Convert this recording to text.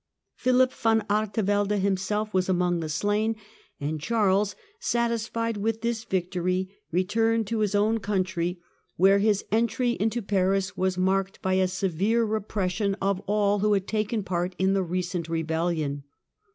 Philip van Artevelde himself was among the slain, and Charles, satisfied with this vic tory, returned to his own country, where his entry into Paris was marked by a severe repression of all who had taken part in the recent rebehion.